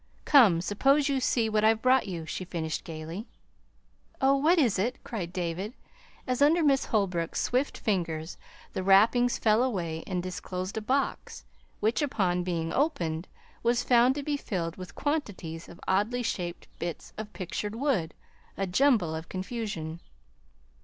Come, suppose you see what I've brought you," she finished gayly. "Oh, what is it?" cried David, as, under Miss Holbrook's swift fingers, the wrappings fell away and disclosed a box which, upon being opened, was found to be filled with quantities of oddly shaped bits of pictured wood a jumble of confusion.